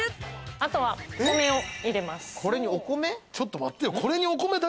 あとはお米を入れます。